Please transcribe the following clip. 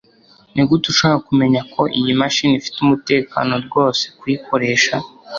Nigute ushobora kumenya ko iyi mashini ifite umutekano rwose kuyikoresha